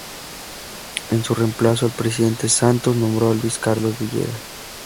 En su reemplazo el presidente Santos nombró a Luis Carlos Villegas.